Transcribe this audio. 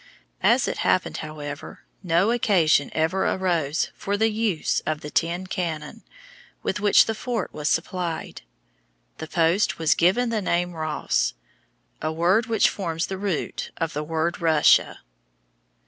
As it happened, however, no occasion ever arose for the use of the ten cannon with which the fort was supplied. The post was given the name Ross, a word which forms the root of the word Russia.